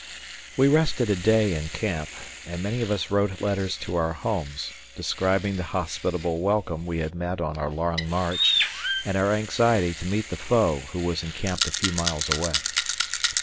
We rested a day in camp, and many of us wrote letters to our homes, describing the hospitable welcome we had met on our long march and our anxiety to meet the foe who was encamped a few miles away.